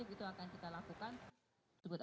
itu akan kita lakukan